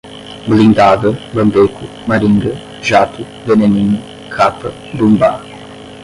blindada, bandeco, maringa, jato, veneninho, capa, bumbá